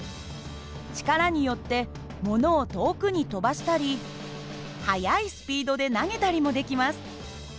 力によってものを遠くに飛ばしたり速いスピードで投げたりもできます。